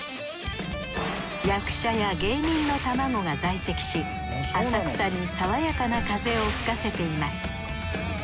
役者や芸人の卵が在籍し浅草にさわやかな風を吹かせています。